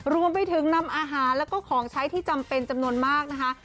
รวมไปถึงนำอาหารแล้วก็ของใช้ที่จำเป็นจำนวนมากนะคะ